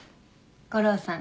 悟郎さん